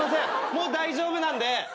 もう大丈夫なんで。